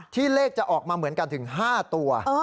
เลขจะออกมาเหมือนกันถึง๕ตัว